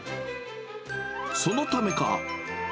そのためか。